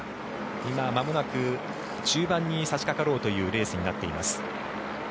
今、まもなく中盤に差しかかろうというレースになっています。